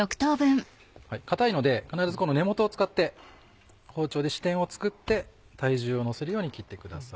硬いので必ず根元を使って包丁で支点を作って体重を乗せるように切ってください。